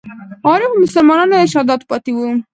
عارفو مسلمانانو ارشادات پاتې وو.